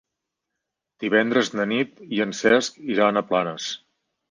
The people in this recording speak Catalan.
Divendres na Nit i en Cesc iran a Planes.